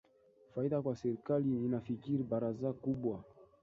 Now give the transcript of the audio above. faida kwa serikali ninafikiri baraza kubwa